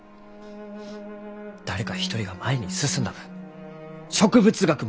誰か一人が前に進んだ分植物学も前に進む！